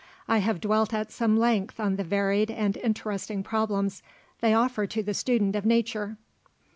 I have dwelt at some length on the varied and interesting problems they offer to the student of nature.